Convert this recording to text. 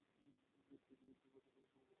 তিনি ইবনু মাজাহ নামেই সমধিক পরিচিত।